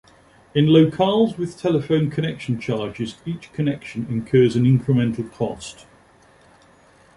In locales with telephone connection charges, each connection incurs an incremental cost.